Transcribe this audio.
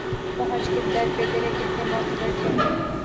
پہنچ کے در پہ ترے کتنے معتبر ٹھہرے